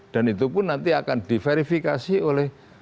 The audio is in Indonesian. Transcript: dan itu pun nanti akan diverifikasi oleh